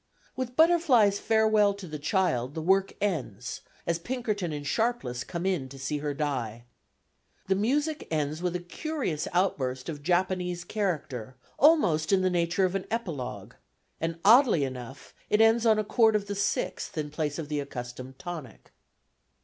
With Butterfly's farewell to the child the work ends, as Pinkerton and Sharpless come in to see her die. The music ends with a curious outburst of Japanese character almost in the nature of an epilogue, and oddly enough it ends on a chord of the sixth in place of the accustomed tonic.